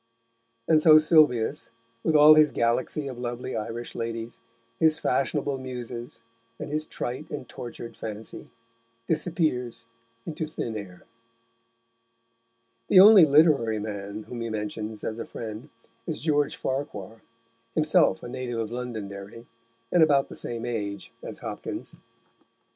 And so Sylvius, with all his galaxy of lovely Irish ladies, his fashionable Muses, and his trite and tortured fancy, disappears into thin air. The only literary man whom he mentions as a friend is George Farquhar, himself a native of Londonderry, and about the same age as Hopkins.